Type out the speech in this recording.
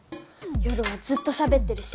夜はずっとしゃべってるし！